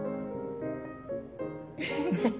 フフフ。